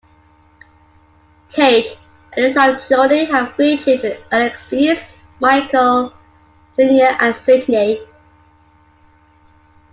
Cage and his wife Jodi have three children: Alexis, Michael, Junior and Sydney.